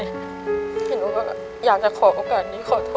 หนูอะอยากขอโอกาสนี้ขอโทษพ่อแม่